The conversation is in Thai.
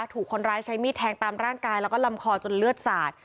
ถูกคนร้ายใช้มีดแทงตามร่างกายแล้วก็ลำคอจนเลือดสาด